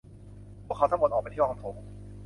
พวกเขาทั้งหมดออกไปที่ห้องโถง